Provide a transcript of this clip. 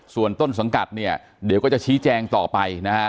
ส่วนต้นสังกัดเนี่ยเดี๋ยวก็จะชี้แจงต่อไปนะฮะ